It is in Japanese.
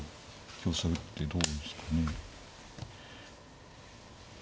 香車打ってどうですかね。